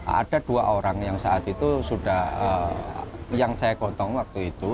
ada dua orang yang saat itu sudah yang saya gotong waktu itu